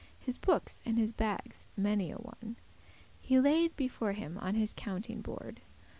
His bookes and his bagges many a one He laid before him on his counting board.